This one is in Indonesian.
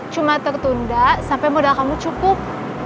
cuma tertunda sampai modal kamu cukup